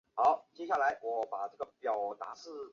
法国舰队开始忙乱地预备迎击英国舰队。